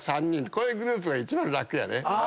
こういうグループが一番楽やね。